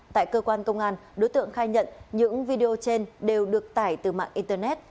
tại cơ quan công an đối tượng khai nhận những video trên đều được tải từ mạng internet